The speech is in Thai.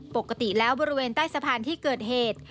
ปกติแล้วบริเวณใต้สะพานที่เกิดเหตุ